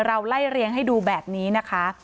ไล่เรียงให้ดูแบบนี้นะคะ